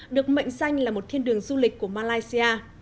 được mệnh danh là một thiên đường du lịch của malaysia